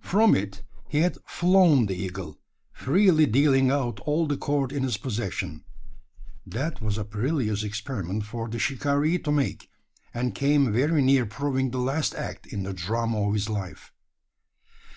From it he had "flown" the eagle freely dealing out all the cord in his possession. That was a perilous experiment for the shikaree to make; and came very near proving the last act in the drama of his life.